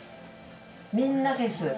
みんな消す。